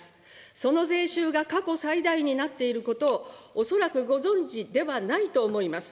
その税収が過去最大になっていることを、恐らくご存じではないと思います。